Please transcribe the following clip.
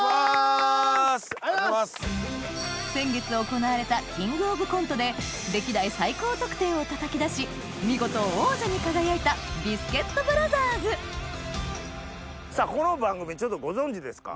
先月行われたキングオブコントで歴代最高得点をたたき出し見事王座に輝いたビスケットブラザーズさぁこの番組ご存じですか？